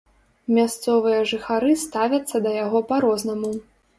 Мясцовыя жыхары ставяцца да яго па-рознаму.